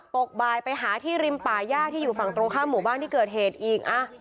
ตกบ่ายไปหาที่ริมป่าย่าที่อยู่ฝั่งตรงข้ามหมู่บ้านที่เกิดเหตุอีก